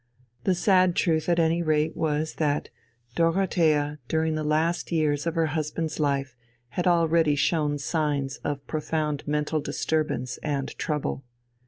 The sad truth at any rate was that Dorothea during the last years of her husband's life had already shown signs of profound mental disturbance and trouble.